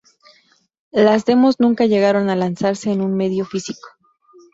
Las demos nunca llegaron a lanzarse en un medio físico.